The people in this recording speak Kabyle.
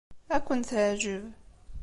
Ad ken-teɛjeb.